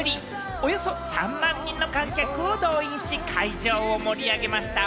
およそ３万人の観客を動員し、会場を盛り上げました。